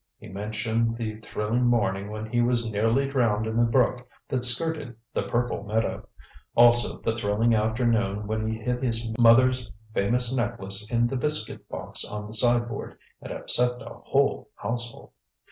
He mentioned the thrilling morning when he was nearly drowned in the brook that skirted the "purple meadow"; also the thrilling afternoon when he hid his mother's famous necklace in the biscuit box on the sideboard, and upset a whole household.